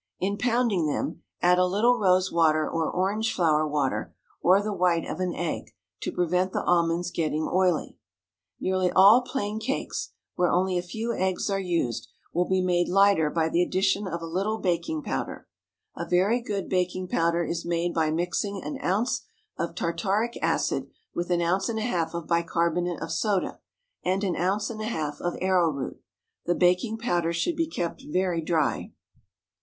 In pounding them, add a little rose water or orange flower water, or the white of an egg, to prevent the almonds getting oily. Nearly all plain cakes, where only a few eggs are used, will be made lighter by the addition of a little baking powder. A very good baking powder is made by mixing an ounce of tartaric acid with an ounce and a half of bicarbonate of soda, and an ounce and a half of arrowroot. The baking powder should be kept very dry.